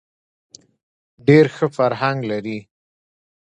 ډېر ښه فرهنګ لري.